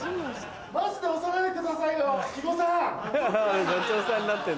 マジで押さないでくださいよ肥後さん。